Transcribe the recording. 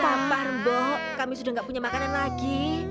lampar bos kami sudah gak punya makanan lagi